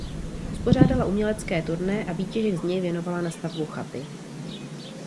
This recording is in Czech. Uspořádala umělecké turné a výtěžek z něj věnovala na stavbu chaty.